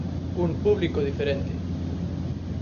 Cun público diferente.